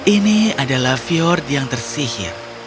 ini adalah fiort yang tersihir